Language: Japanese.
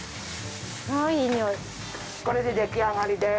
これで出来上がりです。